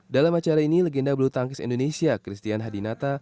dalam acara ini legenda bulu tangkis indonesia christian hadinata